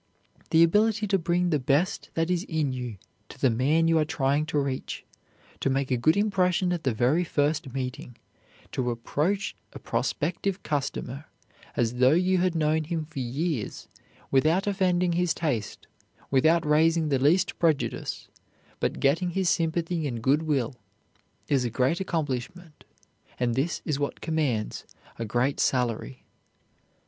The ability to bring the best that is in you to the man you are trying to reach, to make a good impression at the very first meeting, to approach a prospective customer as though you had known him for years without offending his taste, without raising the least prejudice, but getting his sympathy and good will, is a great accomplishment, and this is what commands a great salary.